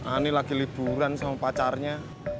ini lagi liburan sama pacarnya